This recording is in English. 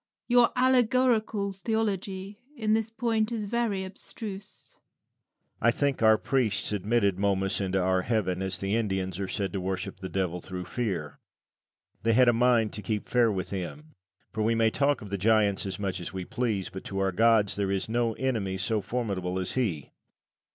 Your allegorical theology in this point is very abstruse. Lucian. I think our priests admitted Momus into our heaven, as the Indians are said to worship the devil, through fear. They had a mind to keep fair with him. For we may talk of the giants as much as we please, but to our gods there is no enemy so formidable as he.